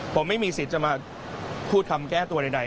ผมไม่มีสิทธิ์จะมาพูดคำแก้ตัวใด